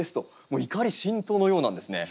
もう怒り心頭のようなんですね。